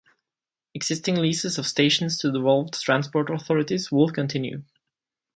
Existing leases of stations to devolved transport authorities will continue.